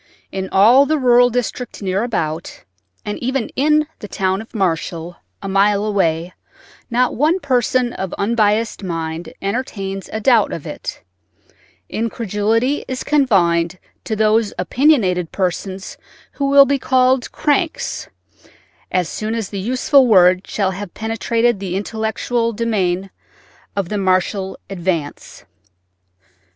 In all the rural district near about, and even in the town of Marshall, a mile away, not one person of unbiased mind entertains a doubt of it; incredulity is confined to those opinionated persons who will be called "cranks" as soon as the useful word shall have penetrated the intellectual demesne of the Marshall Advance.